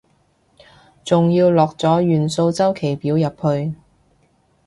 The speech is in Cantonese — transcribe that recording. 仲要落咗元素週期表入去